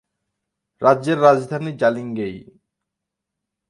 রাজ্যের রাজধানী জালিঙ্গেই।